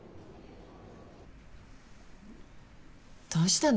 どうしたの？